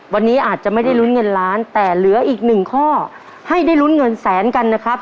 วันนี้อาจจะไม่ได้ลุ้นเงินล้านแต่เหลืออีกหนึ่งข้อให้ได้ลุ้นเงินแสนกันนะครับ